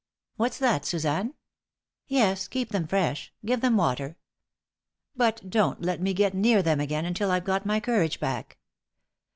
What's that, Suzanne? Yes, keep them fresh. Give them water. But don't let me get near them again until I've got my courage back.